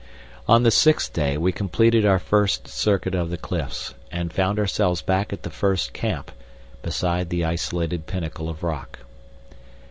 On the sixth day we completed our first circuit of the cliffs, and found ourselves back at the first camp, beside the isolated pinnacle of rock.